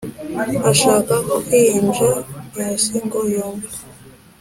ashaka kwinja pasi ngo yumve